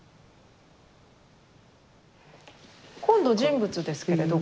今度人物ですけれど。